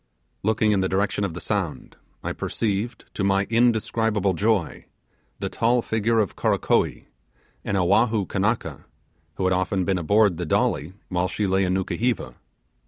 Looking in the direction of the sound, I perceived, to my indescribable joy, the tall figure of Karakoee, an Oahu Kanaka, who had often been aboard the 'Dolly', while she lay in Nukuheva.